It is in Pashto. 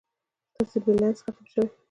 ستاسي بلينس ختم شوي